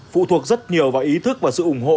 phụ thuộc rất nhiều vào ý thức và sự ủng hộ